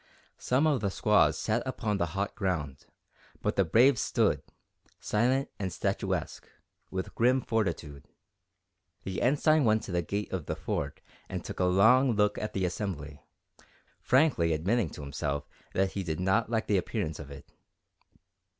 Some of the squaws sat upon the hot ground, but the braves stood, silent and statuesque, with grim fortitude. The Ensign went to the gate of the Fort and took a long look at the assembly, frankly admitting to himself that he did not like the appearance of it.